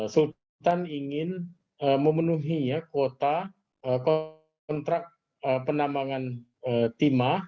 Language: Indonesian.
sultan ingin memenuhi kuota kontrak penambangan timah